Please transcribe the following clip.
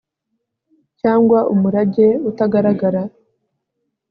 cyangwa umurage utagaragara